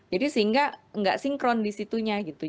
jadi sehingga tidak sinkron di situnya gitu